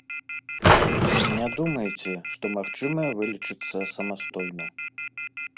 Не думайце, што магчыма вылечыцца самастойна.